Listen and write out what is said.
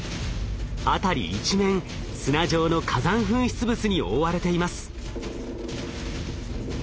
辺り一面砂状の火山噴出物に覆われています。